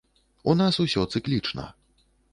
У нас усё цыклічна.